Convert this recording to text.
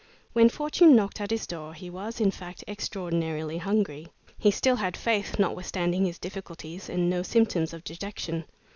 When fortune knocked at his door he was, in fact, extraordinarily hungry. He still had faith, notwithstanding his difficulties, and no symptoms of dejection.